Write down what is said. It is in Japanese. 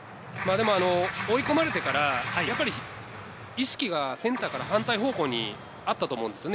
追い込まれてから意識がセンターから反対方向にあったと思うんですね。